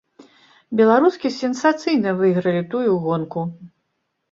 Беларускі сенсацыйна выйгралі тую гонку.